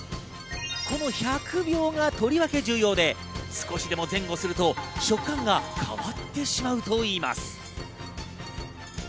この１００秒がとりわけ重要で、少しでも前後すると食感が変わってしまうといいます。